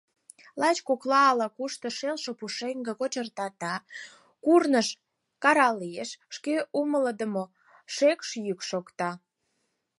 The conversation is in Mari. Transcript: Лач коклан ала-кушто шелше пушеҥге кочыртата, курныж каралеш, эше умылыдымо шекш йӱк шокта.